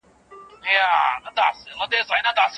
تاسو خپل وېښتان مینځئ.